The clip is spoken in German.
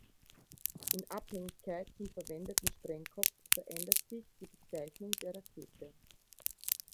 In Abhängigkeit zum verwendeten Sprengkopf verändert sich die Bezeichnung der Rakete.